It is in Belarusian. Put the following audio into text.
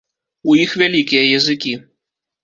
У іх вялікія языкі.